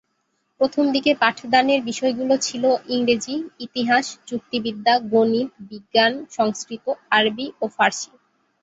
প্রথমদিকে পাঠদানের বিষয়গুলো ছিল- ইংরেজি, ইতিহাস, যুক্তিবিদ্যা, গণিত, বিজ্ঞান, সংস্কৃত, আরবী ও ফারসী।